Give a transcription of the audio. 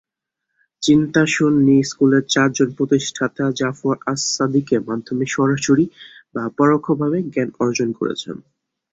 চিন্তার সুন্নি স্কুলের চারজন প্রতিষ্ঠাতা জাফর আস-সাদিকের মাধ্যমে সরাসরি বা পরোক্ষভাবে জ্ঞান অর্জন করেছেন।